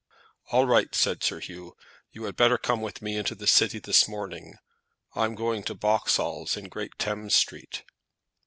"All right," said Sir Hugh. "You had better come with me into the City this morning. I am going to Boxall's in Great Thames Street."